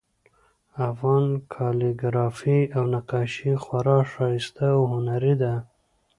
افغان کالیګرافي او نقاشي خورا ښایسته او هنري ده